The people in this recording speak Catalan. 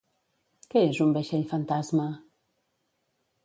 Què és un vaixell fantasma?